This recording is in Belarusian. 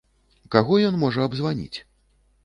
Каго ён можа абзваніць?